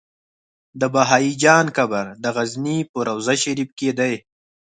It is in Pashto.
د بهايي جان قبر د غزنی په روضه شريفه کی دی